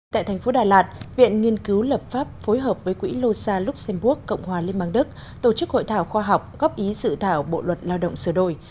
tại thành phố đà lạt viện nghiên cứu lập pháp phối hợp với quỹ lô sa luxembourg cộng hòa liên bang đức tổ chức hội thảo khoa học góp ý sự thảo bộ luật lao động sửa đổi